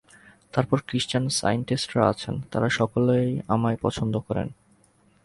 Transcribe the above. তারপর ক্রিশ্চান সায়েণ্টিস্টরা আছেন, তাঁরা সকলেই আমায় পছন্দ করেন।